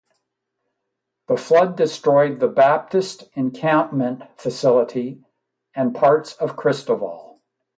The flood destroyed the Baptist encampment facility, and parts of Christoval.